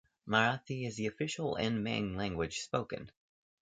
Marathi is the official and main language spoken.